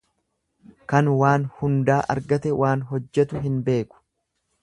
Kan waan hundaa argate waan hojjetu hin beeku.